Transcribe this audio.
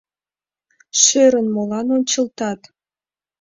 Шӧрын молан ончылтат?